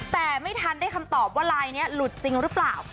แต่ไม่ทันได้คำตอบว่าลายนี้หลุดจริงหรือเปล่า